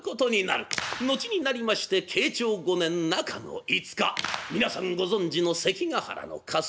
後になりまして慶長５年中の五日皆さんご存じの関ヶ原の合戦だ。